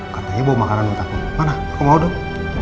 katanya bawa makanan buat aku mana aku mau dong